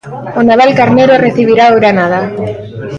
O Navalcarnero recibirá o Granada.